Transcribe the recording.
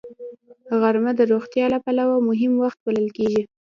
غرمه د روغتیا له پلوه مهم وخت بلل کېږي